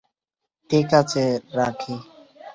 ঠিক আছে, রাখি।